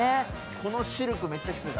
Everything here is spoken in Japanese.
このシルクめっちゃ来てた。